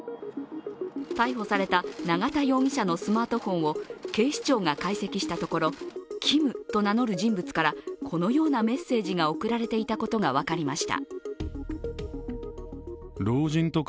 逮捕された永田容疑者のスマートフォンを警視庁が解析したところ「Ｋｉｍ」と名乗る人物からこのようなメッセージが送られていたことが分かりました。